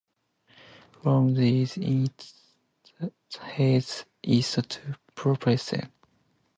From there, it heads east to Putsonderwater.